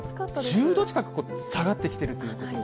１０度近く下がってきているということで。